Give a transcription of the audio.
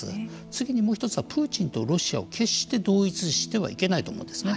次にもう一つはプーチンとロシアを決して同一視してはいけないと思うんですよね。